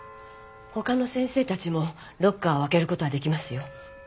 他の先生たちもロッカーを開ける事はできますよ。